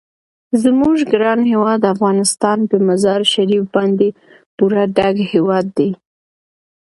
زموږ ګران هیواد افغانستان په مزارشریف باندې پوره ډک هیواد دی.